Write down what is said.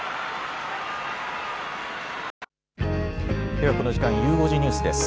ではこの時間、ゆう５時ニュースです。